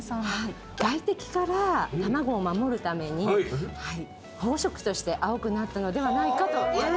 外敵から卵を守るために保護色として青くなったのではないかと。